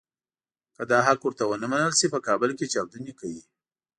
که دا حق ورته ونه منل شي په کابل کې چاودنې کوي.